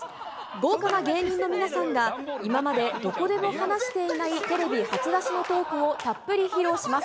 豪華な芸人の皆さんが、今までどこでも話していないテレビ初出しのトークをたっぷり披露します。